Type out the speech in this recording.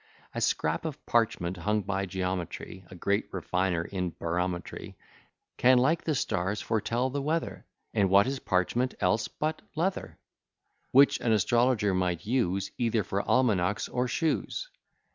A scrap of parchment hung by geometry, (A great refiner in barometry,) Can, like the stars, foretell the weather; And what is parchment else but leather? Which an astrologer might use Either for almanacks or shoes.